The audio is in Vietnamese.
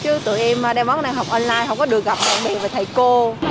chứ tụi em đang học online không có được gặp bạn bè và thầy cô